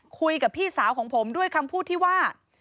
คุยกับพี่สาวของผมด้วยคำพูดที่ว่า